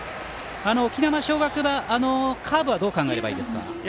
沖縄尚学は、カーブはどう考えればいいですか。